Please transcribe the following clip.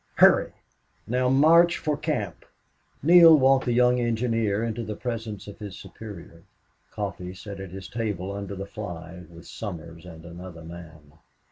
"Hurry!... Now march for camp!" Neale walked the young engineer into the presence of his superior. Coffee sat his table under the fly, with Somers and another man.